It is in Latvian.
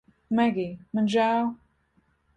Megij, man žēl